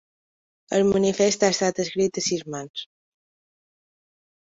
El manifest ha estat escrit a sis mans.